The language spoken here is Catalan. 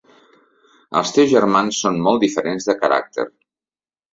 Els teus germans són molt diferents de caràcter.